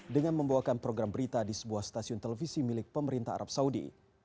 dengan membawakan program berita di sebuah stasiun televisi milik pemerintah arab saudi